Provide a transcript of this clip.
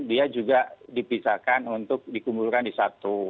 dia juga dipisahkan untuk dikumpulkan di satu